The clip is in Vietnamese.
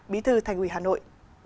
bí thư thành ủy hà nội